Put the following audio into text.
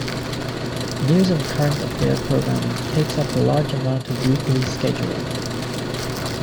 News and current affairs programming takes up a large amount of the weekly schedule.